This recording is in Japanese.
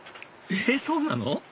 えっそうなの？